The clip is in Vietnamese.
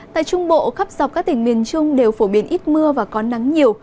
tại trung bộ khắp dọc các tỉnh miền trung đều phổ biến ít mưa và có nắng nhiều